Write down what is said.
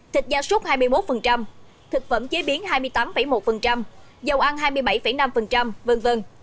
thịt da súc hai mươi một thực phẩm chế biến hai mươi tám một dầu ăn hai mươi bảy năm v v